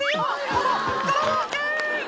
「この泥棒犬！」